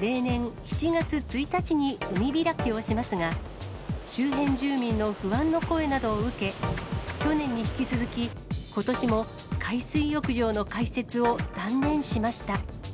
例年、７月１日に海開きをしますが、周辺住民の不安の声などを受け、去年に引き続き、ことしも海水浴場の開設を断念しました。